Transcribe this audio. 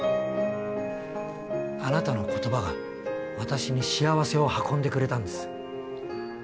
あなたの言葉が私に幸せを運んでくれたんです。